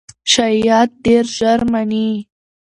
شایعات ډېر ژر مني.